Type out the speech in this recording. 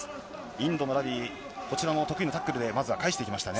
インドのラビ、こちらも得意のタックルでまずは返していきましたね。